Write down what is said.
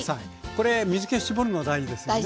これ水け絞るの大事ですよね？